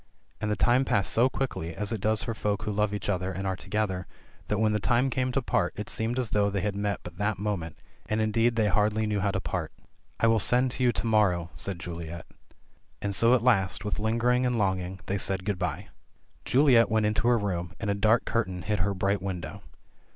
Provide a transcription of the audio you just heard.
And the time passed so quickly, as it does for folk who love each other and are together, that when the time came to part, it seemed as though they had met but that moment — and indeed they hardly knew how to part. "I will send to you to morrow," said Juliet. And so at last, with lingering and longing, they said good bye. Juliet went into her room, and a dark curtain hid her bright win dow.